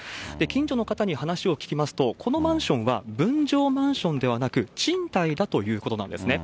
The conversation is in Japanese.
近所の方に話を聞きますと、このマンションは分譲マンションではなく、賃貸だということなんですね。